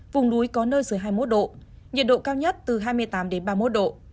vùng núi có nơi dưới hai mươi một độ nhiệt độ cao nhất từ hai mươi tám ba mươi một độ